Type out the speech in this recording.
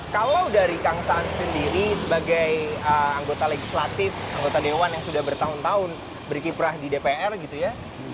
kalau dari kang saan sendiri sebagai anggota legislatif anggota dewan yang sudah bertahun tahun berkiprah di dpr gitu ya